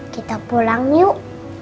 kita pulang yuk